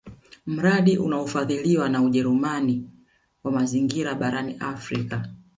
Mradi unaofadhiliwa na Ujerumani wa mazingira barani Afrika